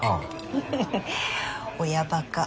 フフフッ親バカ。